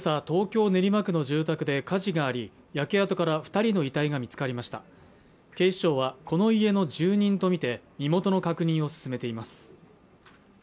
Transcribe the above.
東京練馬区の住宅で火事があり焼け跡から二人の遺体が見つかりました警視庁はこの家の住人と見て身元の確認を進めています